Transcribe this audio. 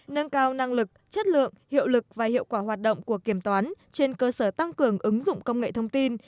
nâng cao năng lực chất lượng hiệu lực và hiệu quả hoạt động của kiểm toán trên cơ sở tăng cường ứng dụng công nghệ thông tin